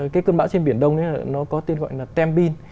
cái cơn bão trên biển đông nó có tên gọi là tempin